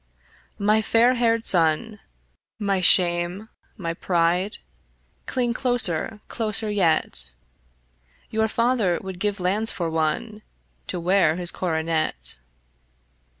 My fair haired son, my shame, my pride, Cling closer, closer yet: Your father would give his lands for one To wear his coronet.